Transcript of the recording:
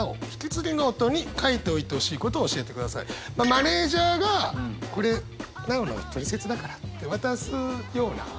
マネージャーがこれ奈緒の取説だからって渡すような。